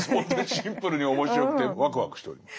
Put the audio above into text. シンプルに面白くてワクワクしております。